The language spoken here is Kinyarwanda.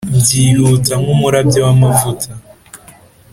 byihuta nkumurabyo wamavuta